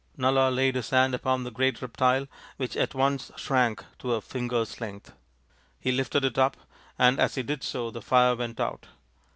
" Nala laid his hand upon the great reptile, which at once shrank to a finger's length. He lifted it up, and as he did so the fire went out.